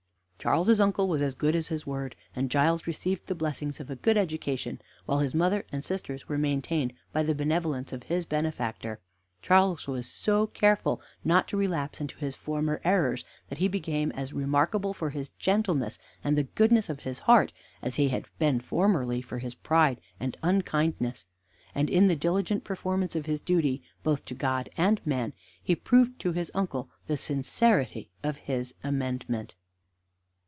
Charles's uncle was as good as his word, and Giles received the blessings of a good education, while his mother and sisters were maintained by the benevolence of his benefactor. Charles was so careful not to relapse into his former errors that he became as remarkable for his gentleness and the goodness of his heart as he had formerly been for his pride and unkindness, and in the diligent performance of his duty, both to God and man, he proved to his uncle the sincerity of his amendment.